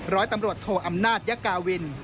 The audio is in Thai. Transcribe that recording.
ร้อยตำรวจโทอำนาจยกาวิน